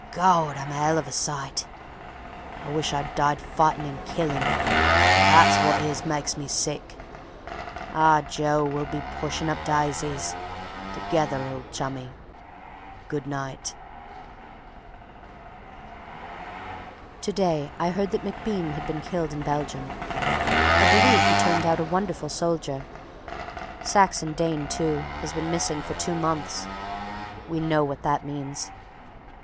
Gawd! I'm a 'ell of a sight. Wish I'd died fightin' and killin'; that's wot it is makes me sick. ... Ah, Joe! we'll be pushin' up dysies ... together, old Chummie ... good night! To day I heard that MacBean had been killed in Belgium. I believe he turned out a wonderful soldier. Saxon Dane, too, has been missing for two months. We know what that means.